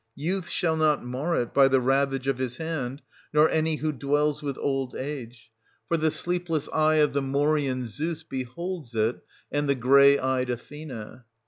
Youth shall not mar it by the ravage of his hand, nor any who dwells with old age; for the 704—734] OEDIFUS AT COLONUS. 87 sleepless eye of the Morian Zeus beholds it, and the gray eyed Athena.